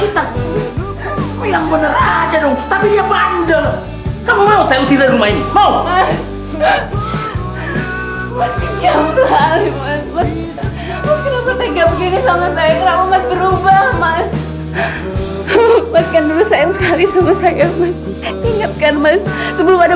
sampai rumah kita bilang bener aja dong tapi dia bandel kamu mau saya usir rumah ini mau